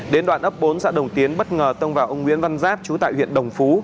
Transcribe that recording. đến đoạn ấp bốn xã đồng tiến bất ngờ tông vào ông nguyễn văn giáp chú tại huyện đồng phú